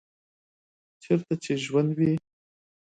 چیرته چې ژوند وي